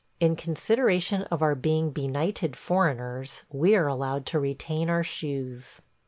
In consideration of our being benighted foreigners, we are allowed to retain our shoes.